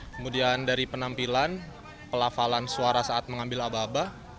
kemudian dari penampilan pelafalan suara saat mengambil abah abah